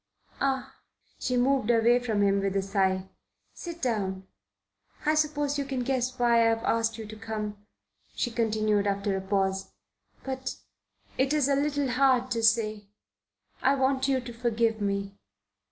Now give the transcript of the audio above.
Ah!" She moved away from him with a sigh. "Sit down. I suppose you can guess why I've asked you to come," she continued after a pause. "But it is a little hard to say. I want you to forgive me."